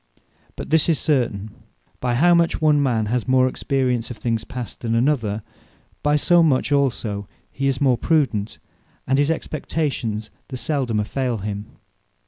But this is certain; by how much one man has more experience of things past, than another; by so much also he is more Prudent, and his expectations the seldomer faile him.